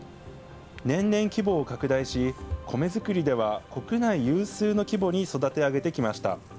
年々規模を拡大し、米作りでは国内有数の規模に育て上げてきました。